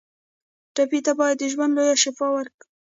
ټپي ته باید د ژوند لویه شفا ورکړو.